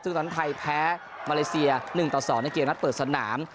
ซึ่งตอนนั้นไทยแพ้มาเลเซีย๑ต่อ๒ในเกมนัดเปิดสนาม